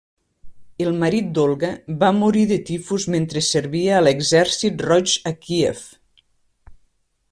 El marit d'Olga va morir de tifus mentre servia a l'Exèrcit Roig a Kíev.